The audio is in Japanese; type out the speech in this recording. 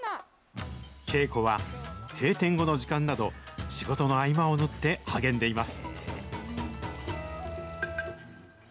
稽古は、閉店の時間など、仕事の合間を縫って励んでいます。